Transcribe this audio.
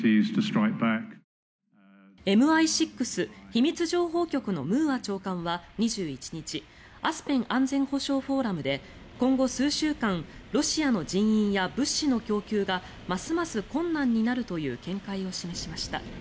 ＭＩ６・秘密情報局のムーア長官は２１日アスペン安全保障フォーラムで今後数週間ロシアの人員や物資の供給がますます困難になるという見解を示しました。